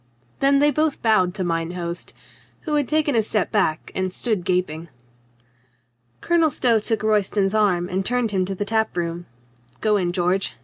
Then they both bowed to mine host — who had taken a step back, and stood gaping. Colonel Stow took Royston's arm and turned him to the tap room. "Go in, George.